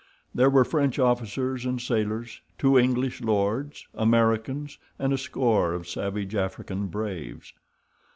There were French officers and sailors, two English lords, Americans, and a score of savage African braves.